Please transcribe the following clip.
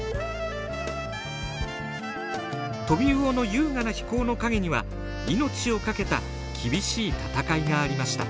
トビウオの優雅な飛行の陰には命を懸けた厳しい戦いがありました。